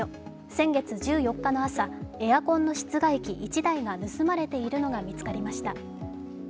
先月１４日の朝、エアコンの室外機１台が盗まれているのが見つかりました。